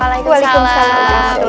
assalamualaikum pak kiai